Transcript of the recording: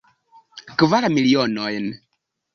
Kvar milionojn.